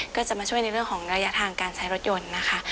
ก็จะมาช่วยในเรื่องของระยะทางการใช้รถยนต์นะคะ